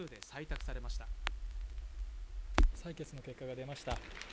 採決の結果が出ました。